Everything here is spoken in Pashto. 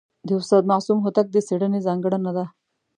د استاد معصوم هوتک د څېړني ځانګړنه ده.